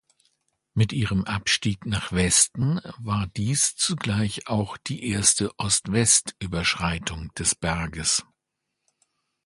Mit ihrem Abstieg nach Westen war dies zugleich auch die erste Ost-West-Überschreitung des Berges.